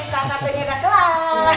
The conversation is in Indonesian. udah sampai pesan sate nya udah kelar